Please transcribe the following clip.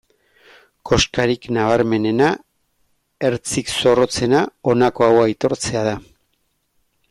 Koskarik nabarmenena, ertzik zorrotzena, honako hau aitortzea da.